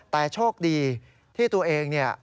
แต่โชคดีที่ตัวเอง